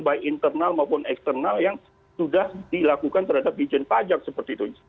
baik internal maupun eksternal yang sudah dilakukan terhadap dijen pajak seperti itu